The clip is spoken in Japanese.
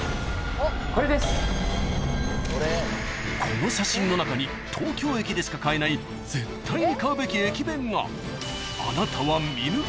［この写真の中に東京駅でしか買えない絶対に買うべき駅弁が］